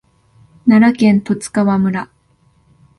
奈良県十津川村